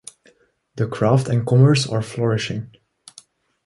The craft and commerce are flourishing.